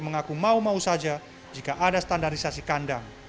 mengaku mau mau saja jika ada standarisasi kandang